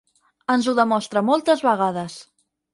Ens ho demostra moltes vegades.